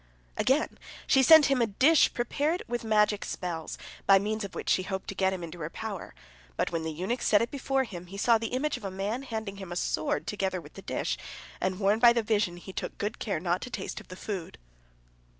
Again, she sent him a dish prepared with magic spells, by means of which she hoped to get him into her power. But when the eunuch set it before him, he saw the image of a man handing him a sword together with the dish, and, warned by the vision, he took good care not to taste of the food.